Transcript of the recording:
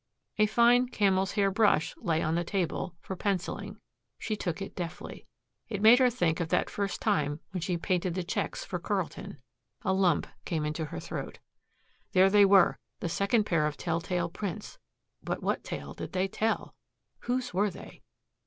A fine camel's hair brush lay on the table, for penciling. She took it deftly. It made her think of that first time when she painted the checks for Carlton. A lump came into her throat. There they were, the second pair of telltale prints. But what tale did they tell? Whose were they?